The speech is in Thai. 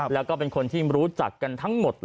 แล้วก็เป็นคนที่รู้จักกันทั้งหมด